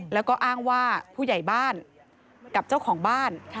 แล้วก็อ้างว่าผู้ใหญ่บ้านกับเจ้าของบ้าน